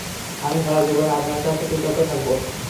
আমি সারা জীবন আপনার কাছে কৃতজ্ঞ থাকবো।